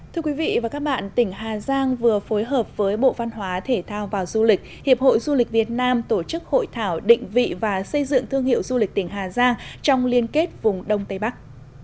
thưa quý vị và các bạn tỉnh hà giang vừa phối hợp với bộ văn hóa thể thao và du lịch hiệp hội du lịch việt nam tổ chức hội thảo định vị và xây dựng thương hiệu du lịch tỉnh hà giang trong liên kết vùng đông tây bắc